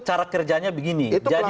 cara kerjanya begini